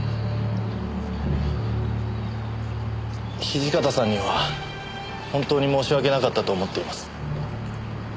土方さんには本当に申し訳なかったと思っています。